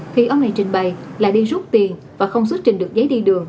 khi ông này trình bày là đi rút tiền và không xuất trình được giấy đi đường